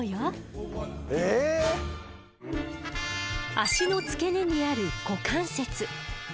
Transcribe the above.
脚の付け根にある股関節。